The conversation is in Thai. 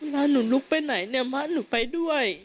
ถ้าหนูลุกไปไหนเนี่ยพระหนูไปด้วย